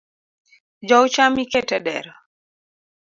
Jou cham iket e dero.